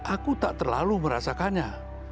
aku tak terlalu merasakannya